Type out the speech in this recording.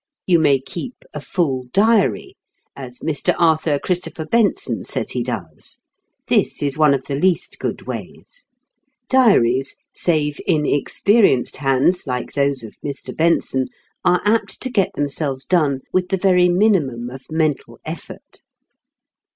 You may keep "a full diary," as Mr. Arthur Christopher Benson says he does. This is one of the least good ways. Diaries, save in experienced hands like those of Mr. Benson, are apt to get themselves done with the very minimum of mental effort.